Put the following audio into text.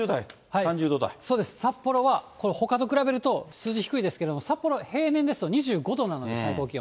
そうです、札幌はこれほかと比べると数字低いですけれども、札幌、平年ですと２５度なので、最高気温。